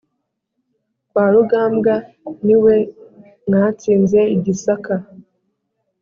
Kwa Rugambwa ni mwe mwatsinze i Gisaka.